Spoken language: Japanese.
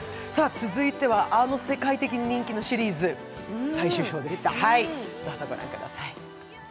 続いては、あの世界的に人気のシリーズ、最終章です。